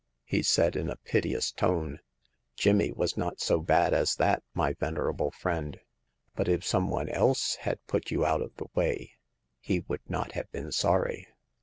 he said in a piteous tone. Jimmy was not so bad as that, my venerable friend. But if some one else had put you out of the way, he would not have been sorry."